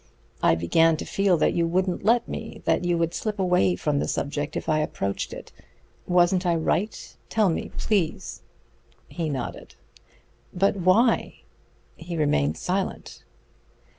I began to feel that you wouldn't let me, that you would slip away from the subject if I approached it. Wasn't I right? Tell me, please." He nodded. "But why?" He remained silent.